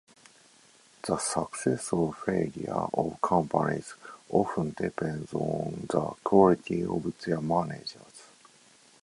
The success or failure of companies often depends on the quality of their managers.